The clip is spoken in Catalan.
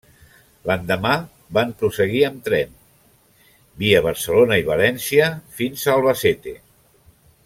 L'endemà van prosseguir amb tren, via Barcelona i València, fins a Albacete.